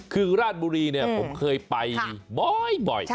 คือราชบุรีเนี่ยผมเคยไปบ่อย